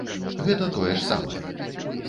Гэта тое ж самае.